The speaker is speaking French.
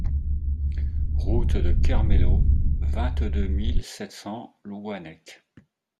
Route de Kermélo, vingt-deux mille sept cents Louannec